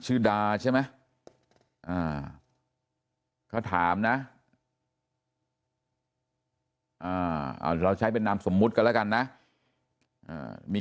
ดาใช่ไหมเขาถามนะเราใช้เป็นนามสมมุติกันแล้วกันนะมี